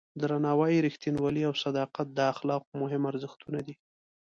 درناوی، رښتینولي او صداقت د اخلاقو مهم ارزښتونه دي.